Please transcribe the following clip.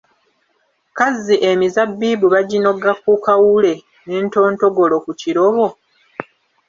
Kazzi emizabbiibu baginoga ku kawule n'entontogolo ku kirobo?